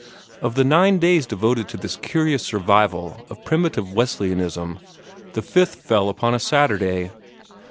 Of the nine days devoted to this curious survival of primitive Wesleyanism, the fifth fell upon a Saturday.